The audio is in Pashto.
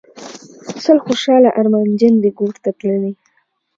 سل خوشحاله ارمانجن دي ګورته تللي